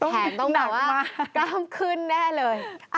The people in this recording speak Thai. แผงต้องกล้ามขึ้นแน่เลย